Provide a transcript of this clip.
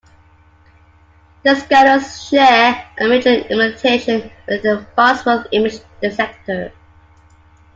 Disk scanners share a major limitation with the Farnsworth image dissector.